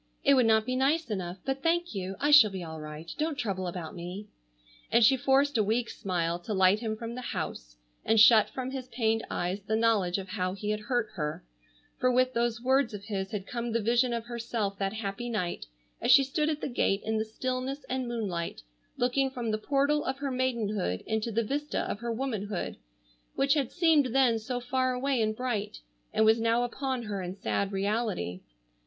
It would not be nice enough, but thank you. I shall be all right. Don't trouble about me," and she forced a weak smile to light him from the house, and shut from his pained eyes the knowledge of how he had hurt her, for with those words of his had come the vision of herself that happy night as she stood at the gate in the stillness and moonlight looking from the portal of her maidenhood into the vista of her womanhood, which had seemed then so far away and bright, and was now upon her in sad reality.